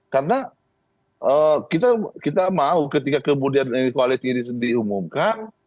karena kita mau ketika kebudayaan dan keualian sendiri diumumkan